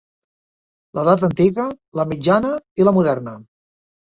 L'edat antiga, la mitjana i la moderna.